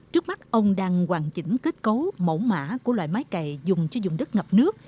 trước mắt ông đang hoàn chỉnh kết cấu mẫu mã của loại máy cày dùng cho dùng đất ngập nước